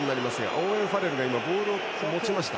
オーウェン・ファレルがボールを持ちました。